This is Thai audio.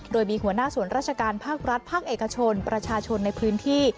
โดยมีหัวหน้าส่วนราชการภาครัฐภาคเอกชนประชาชนในพื้นที่